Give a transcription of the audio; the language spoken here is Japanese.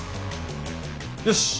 よし！